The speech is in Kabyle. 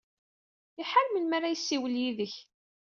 Iḥar melmi ara yessiwel yid-k.